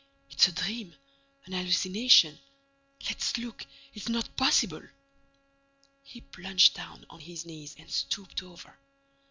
"It's a dream, an hallucination. Let's look: it's not possible!" He plunged down on his knees and stooped over.